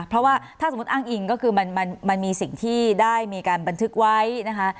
เพราะว่าถ้าสมมุติอ้างอิงก็คือมันมีสิ่งที่ได้มีการบันทึกไว้นะคะ